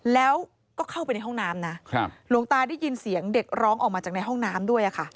แล้วก็เข้าไปในห้องน้ำนะหลวงตาได้ยินเสียงเด็กร้องออกมาจากในห้องน้ำด้วยค่ะ